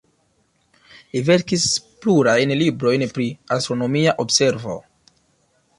Li verkis plurajn librojn pri astronomia observo.